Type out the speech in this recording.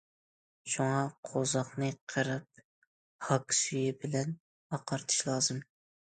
شۇڭا قوۋزاقنى قىرىپ ھاك سۈيى بىلەن ئاقارتىش لازىم.